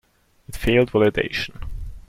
It failed validation.